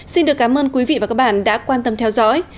xin được cảm ơn quý vị và các bạn đã quan tâm theo dõi